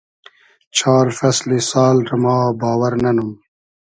چار فئسلی سال رۂ ما باوئر نئنوم